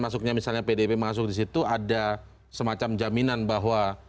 masuknya misalnya pdip masuk di situ ada semacam jaminan bahwa